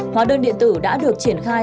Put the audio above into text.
hóa đơn điện tử đã được triển khai